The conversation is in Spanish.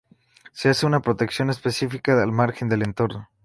Se hace una protección específica al margen del entorno.